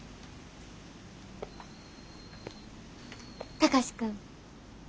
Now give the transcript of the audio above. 貴司君。